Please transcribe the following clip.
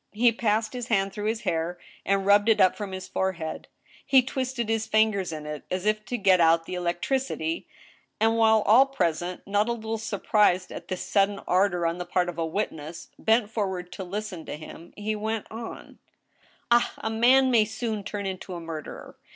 He passed his hand through his hair, and rubbed it up from his forehead ; he twisted his fingers in it, as if to get out the electricity ; and while all present, not a little surprised at this sudden ardor on the part of a witness, bent forward to listen to him, he went on :" Ah ! a man may soon turn into a murderer